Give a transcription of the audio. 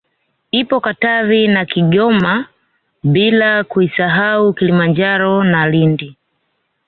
Ipo Katavi na Kigoma bila kuisahau Kilimanjaro na Lindi